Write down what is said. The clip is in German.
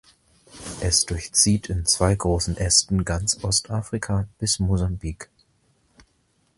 Es durchzieht in zwei großen Ästen ganz Ostafrika bis Mosambik.